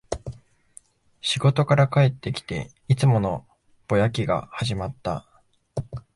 仕事から帰ってきて、いつものぼやきが始まった